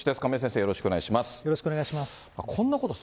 よろしくお願いします。